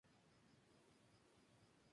Por eso, empezó a trabajar a una corta edad.